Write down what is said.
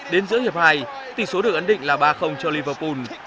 đến giữa hiệp hai tỷ số được ấn định là ba cho liverpool